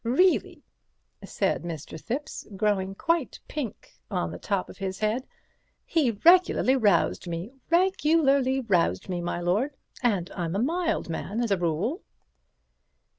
Reely," said Mr. Thipps, growing quite pink on the top of his head, "he regularly roused me, regularly roused me, my lord, and I'm a mild man as a rule."